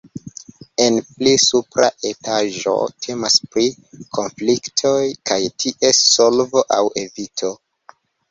En pli supra etaĝo temas pri konfliktoj kaj ties solvo aŭ evito.